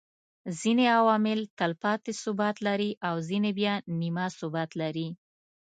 ځيني عوامل تلپاتي ثبات لري او ځيني بيا نيمه ثبات لري